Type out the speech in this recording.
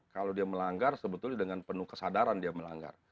kalau dia melanggar sebetulnya dengan penuh kesadaran dia melanggar